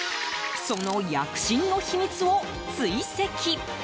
その躍進の秘密を追跡。